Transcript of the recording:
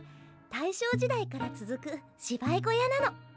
大正時代から続く芝居小屋なの。